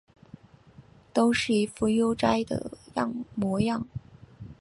都是一副悠哉的模样